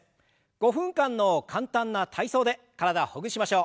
５分間の簡単な体操で体をほぐしましょう。